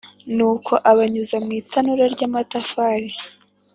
kandi abanyuza mu itanura ry’amatafari.